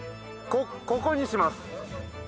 ここにします。